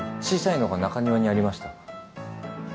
小さいのが中庭にありました。